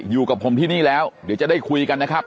อยู่กับผมที่นี่แล้วเดี๋ยวจะได้คุยกันนะครับ